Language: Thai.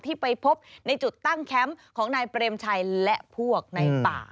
ไปพบในจุดตั้งแคมป์ของนายเปรมชัยและพวกในป่า